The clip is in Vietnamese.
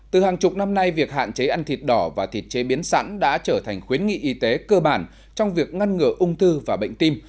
từ hàng chục năm nay việc hạn chế ăn thịt đỏ và thịt chế biến sẵn đã trở thành khuyến nghị y tế cơ bản trong việc ngăn ngừa ung thư và bệnh tim